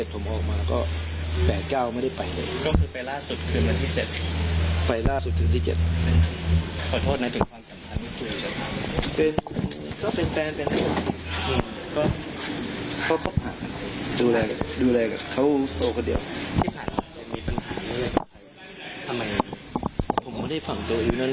ผมก็ไม่ได้ฟังตัวอยู่นั่น